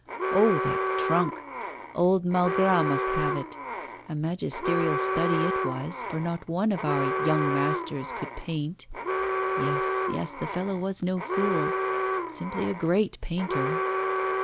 Oh, that trunk! Old Malgras must have it. A magisterial study it was, which not one of our "young masters" could paint. Yes, yes, the fellow was no fool simply a great painter.